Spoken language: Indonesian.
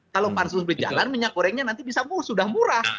kalau pansus berjalan minyak gorengnya nanti bisa murah sudah murah